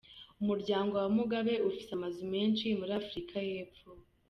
Umuryango wa Mugabe ufise amazu menshi muri Afrika Yepfo.